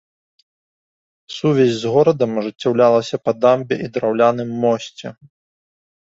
Сувязь з горадам ажыццяўлялася па дамбе і драўляным мосце.